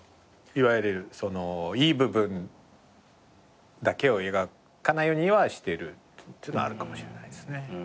いわゆるいい部分だけを描かないようにはしてるっていうのはあるかもしれないですね。